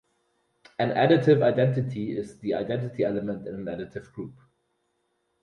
An additive identity is the identity element in an additive group.